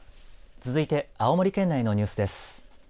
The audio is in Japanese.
続いて青森県内のニュースです。